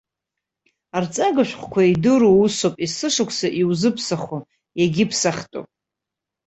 Арҵага шәҟәқәа, идыру усуп, есышықәса иузыԥсахуам, иагьыԥсахтәым.